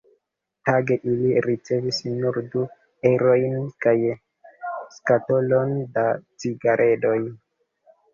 Tage ili ricevis nur du eŭrojn kaj skatolon da cigaredoj.